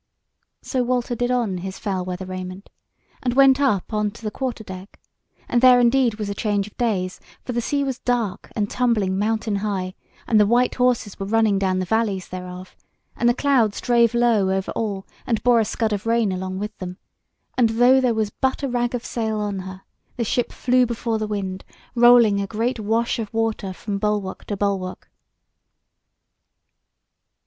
So Walter did on his foul weather raiment, and went up on to the quarter deck, and there indeed was a change of days; for the sea was dark and tumbling mountain high, and the white horses were running down the valleys thereof, and the clouds drave low over all, and bore a scud of rain along with them; and though there was but a rag of sail on her, the ship flew before the wind, rolling a great wash of water from bulwark to bulwark.